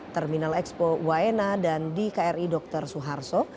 terminal expo waena dan di kri dr suharto